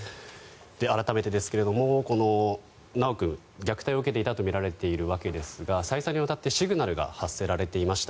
改めてですが修君、虐待を受けていたとみられるわけですが再三にわたってシグナルが発せられていました。